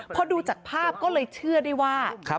พอดูจากภาพก็เลยเชื่อได้ว่า